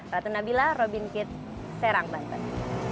ratu nabila robin kit serang banten